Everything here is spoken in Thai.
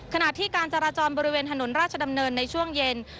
ขณะที่การจราจรบริเวณถนนราชดำเนินในช่วงเย็น